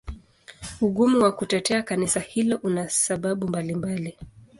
Ugumu wa kutetea Kanisa hilo una sababu mbalimbali.